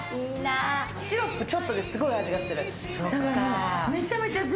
シロップちょっとで、すごく味がする。